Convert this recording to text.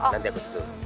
nanti aku susun